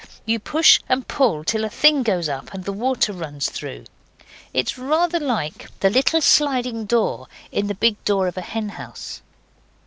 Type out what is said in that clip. You push and push till a thing goes up and the water runs through. It is rather like the little sliding door in the big door of a hen house.